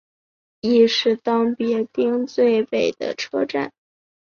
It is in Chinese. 亦是当别町最北的车站。